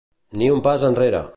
Ni un pas enrere!